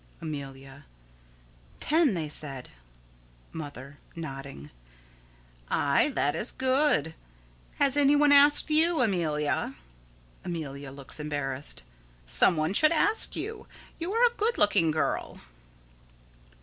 Amelia: Ten, they said. Mother: [Nodding.] Aye, that is good. Has any one asked you, Amelia? [Amelia looks embarrassed.] Some one should ask you. You are a good looking girl.